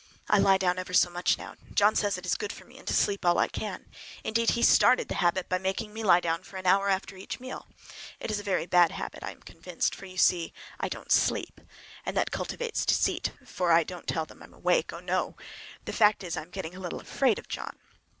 I lie down ever so much now. John says it is good for me, and to sleep all I can. Indeed, he started the habit by making me lie down for an hour after each meal. It is a very bad habit, I am convinced, for, you see, I don't sleep. And that cultivates deceit, for I don't tell them I'm awake,—oh, no! The fact is, I am getting a little afraid of John.